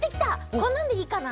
こんなんでいいかな？